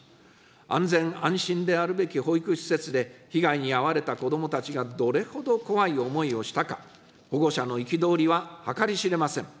安全安心であるべき保育施設で被害に遭われた子どもたちがどれほど怖い思いをしたか、保護者の憤りは計り知れません。